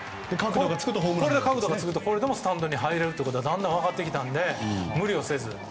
角度がつくと、これでもスタンドに入れるということがだんだん分かってきたので無理をせず。